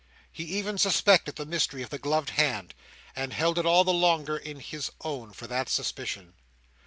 He even suspected the mystery of the gloved hand, and held it all the longer in his own for that suspicion.